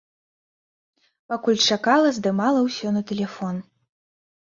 Пакуль чакала, здымала ўсё на тэлефон.